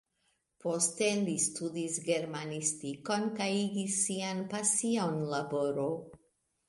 Poste li studis germanistikon kaj igis sian pasion laboro.